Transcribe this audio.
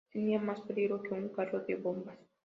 Tenía más peligro que un carro de bombas